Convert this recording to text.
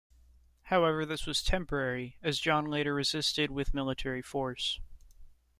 However, this was temporary, as John later resisted with military force.